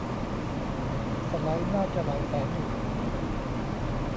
สไลด์น่าจะหลายแสนอยู่